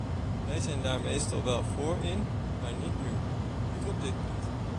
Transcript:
Wij zijn daar meestal wel voor in maar niet nu, niet op dit punt.